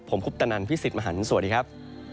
ผมคุปตะนันพี่สิทธิ์มหันฯสวัสดีครับ